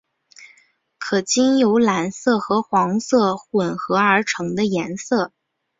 可经由蓝色和黄色混和而成的颜色。